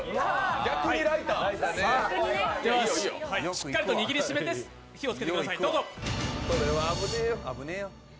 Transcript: しっかりと握りしめて火を付けてください。